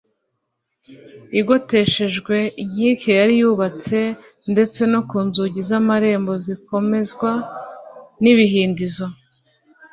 igoteshejwe inkike yari yarubatse ndetse no ku nzugi zamarembo zikomezwa nibihindizo